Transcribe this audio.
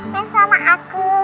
main sama aku